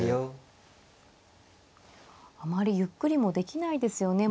あまりゆっくりもできないですよね。